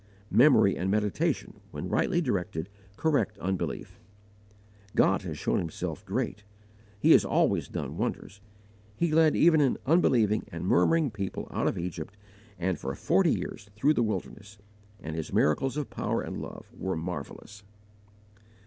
Memory and meditation, when rightly directed, correct unbelief. God has shown Himself great. He has always done wonders. He led even an unbelieving and murmuring people out of Egypt and for forty years through the wilderness, and His miracles of power and love were marvelous.